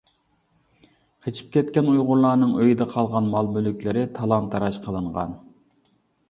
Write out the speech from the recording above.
قېچىپ كەتكەن ئۇيغۇرلارنىڭ ئۆيىدە قالغان مال-مۈلۈكلىرى تالان-تاراج قىلىنغان.